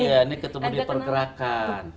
iya ini ketemu di pergerakan